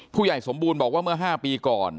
ผู้ใหญ่สมบูรณ์บอกว่าเมื่อ๕ปีก่อน